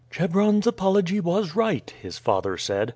"Chebron's apology was right," his father said.